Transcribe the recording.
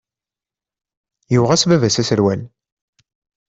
Yuɣ-as-d baba-s aserwal.